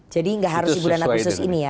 jadi tidak harus di bulan agustus ini ya